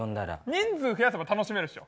人数増やせば楽しめるっしょ。